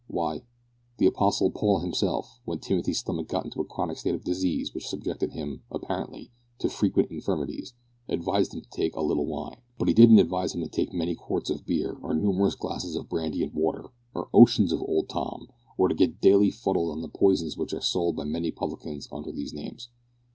Why, the apostle Paul himself, when Timothy's stomach got into a chronic state of disease which subjected him, apparently, to `frequent infirmities,' advised him to take a `little wine,' but he didn't advise him to take many quarts of beer, or numerous glasses of brandy and water, or oceans of Old Tom, or to get daily fuddled on the poisons which are sold by many publicans under these names.